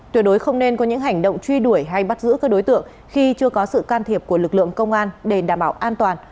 tuyệt đối không nên có những hành động truy đuổi hay bắt giữ các đối tượng khi chưa có sự can thiệp của lực lượng công an để đảm bảo an toàn